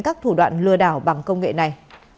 các thủ đoạn lừa đảo bằng công nghệ này